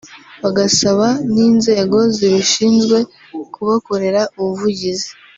bagasaba n’inzego zibishinzwe kubakorera ubuvugizi